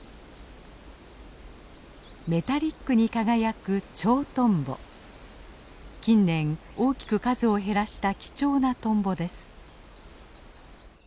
メタリックに輝く近年大きく数を減らした貴重なトンボです。